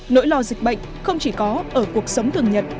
nỗi lo dịch bệnh không chỉ có ở cuộc sống thường nhật